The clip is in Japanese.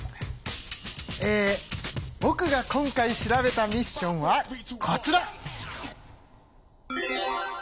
えぼくが今回調べたミッションはこちら！